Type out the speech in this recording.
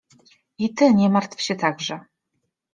I ty nie martw się także!